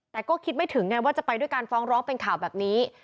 แต่ก็คิดไม่ถึงไงว่าจะไปด้วยการฟ้องร้องเป็นข่าวแบบนี้